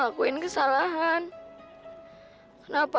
ah aku ensomething cepet